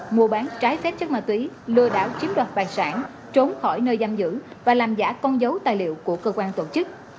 mua bán trái phép chất ma túy lừa đảo chiếm đoạt tài sản trốn khỏi nơi giam giữ và làm giả con dấu tài liệu của cơ quan tổ chức